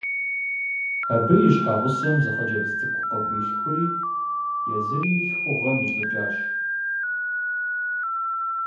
Абы и щхьэгъусэм зы хъыджэбз цӀыкӀу къыхуилъхури езыри лъхугъэм илӀыкӀащ.